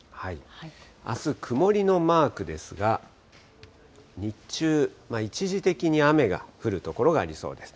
あす、曇りのマークですが、日中、一時的に雨が降る所がありそうです。